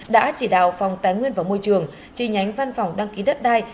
đã chỉ đạo phòng tài nguyên và môi trường chỉ nhánh văn phòng đăng ký đất đai